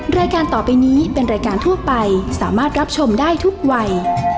รายการต่อไปนี้เป็นรายการทั่วไปสามารถรับชมได้ทุกวัย